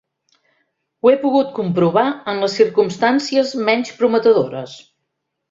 Ho he pogut comprovar en les circumstàncies menys prometedores.